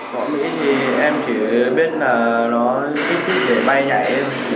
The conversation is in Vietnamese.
cỏ mỹ thì em chỉ biết là nó ít chút để bay nhạy